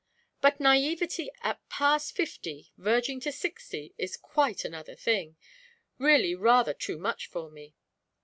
"But naïveté at past fifty, verging to sixty, is quite another thing, really rather too much for me.